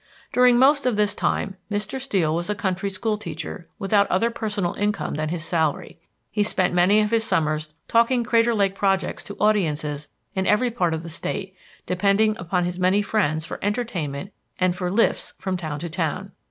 During most of this time Mr. Steel was a country school teacher without other personal income than his salary. He spent many of his summers talking Crater Lake projects to audiences in every part of the State, depending upon his many friends for entertainment and for "lifts" from town to town.